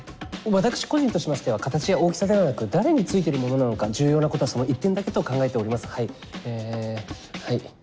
私個人としましては形や大きさではなく誰についてるものなのか重要なことはその一点だけと考えておりますはいえはい。